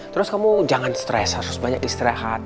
terus kamu jangan stres harus banyak istirahat